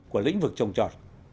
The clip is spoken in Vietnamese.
của lĩnh vực trồng trọt